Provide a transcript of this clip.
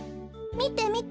みてみて！